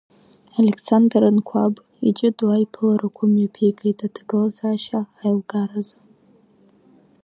Александр Анқәаб иҷыдоу аиԥыларақәа мҩаԥигеит аҭагылазаашьа аилкааразы.